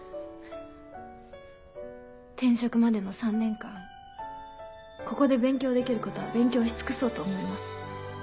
転職までの３年間ここで勉強できることは勉強し尽くそうと思います。